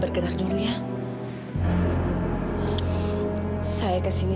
ini mengenai berproses pengeurangan